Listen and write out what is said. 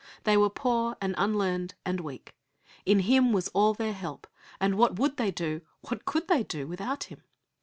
They were poor and unlearned and weak. In Him was all their help, and what would they do, what could they do, without Him?